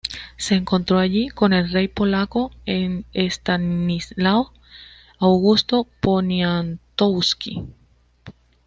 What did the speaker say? Se encontró allí con el rey polaco Estanislao Augusto Poniatowski.